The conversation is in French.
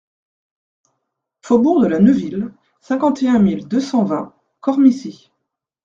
Faubourg de la Neuville, cinquante et un mille deux cent vingt Cormicy